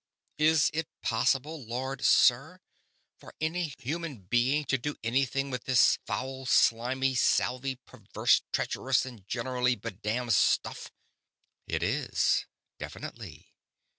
"Is it possible, Lord Sir, for any human being to do anything with this foul, slimy, salvy, perverse, treacherous, and generally bedamned stuff?" "It is. Definitely.